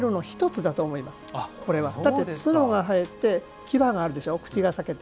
だって、角が生えて牙があるでしょう、口が裂けて。